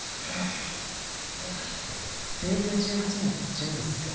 テイク１８の準備する？